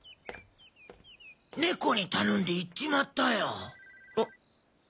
猫に頼んで行っちまったよ。